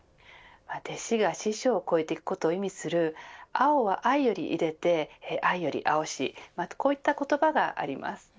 弟子が師匠を越えていくことを意味する青は藍より出でて藍より青しこういった言葉があります。